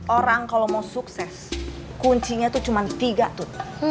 orang kalau mau sukses kuncinya tuh cuma tiga tut